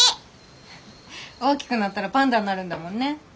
大きくなったらパンダになるんだもんね。